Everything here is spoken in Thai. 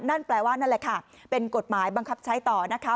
นั่นแปลว่านั่นแหละค่ะเป็นกฎหมายบังคับใช้ต่อนะคะ